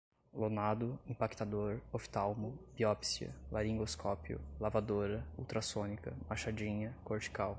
lonado, impactador, oftalmo, biópsia, laringoscópio, lavadora, ultrassônica, machadinha, cortical